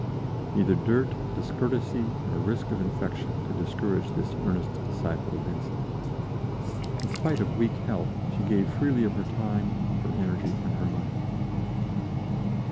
Neither dirt, discourtesy nor risk of infection could discourage this earnest disciple of Vincent. In spite of weak health she gave freely of her time, her energy and her money.